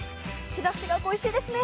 日ざしが恋しいですね。